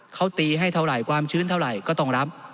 เขาตีให้เท่าไหร่ความชื้นเท่าไหร่ก็ต้องรับ